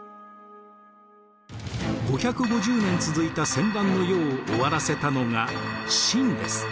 ５５０年続いた戦乱の世を終わらせたのが秦です。